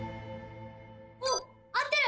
おっあってる！